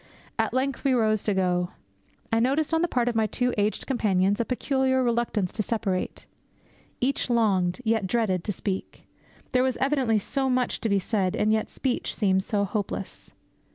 At length we rose to go. I noticed, on the part of my two aged companions, a peculiar reluctance to separate. Each longed, yet dreaded, to speak. There was evidently so much to be said, and yet speech seemed so hopeless.